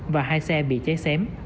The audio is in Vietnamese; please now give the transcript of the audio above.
và hai xe bị cháy xém